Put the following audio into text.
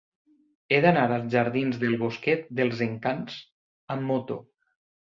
He d'anar als jardins del Bosquet dels Encants amb moto.